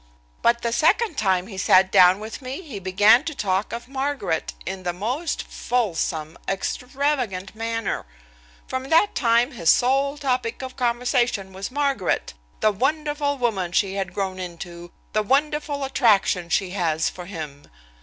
"But the second time he sat down with me he began to talk of Margaret in the most fulsome, extravagant manner. From that time his sole topic of conversation was Margaret, the wonderful woman she had grown into, the wonderful attraction she has for him.